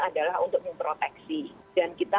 adalah untuk memproteksi dan kita